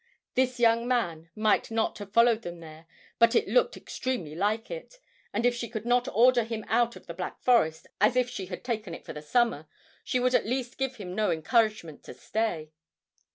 This young man might not have followed them there, but it looked extremely like it, and if she could not order him out of the Black Forest as if she had taken it for the summer, she would at least give him no encouragement to stay.